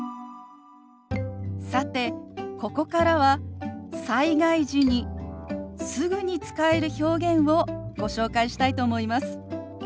さてここからは災害時にすぐに使える表現をご紹介したいと思います。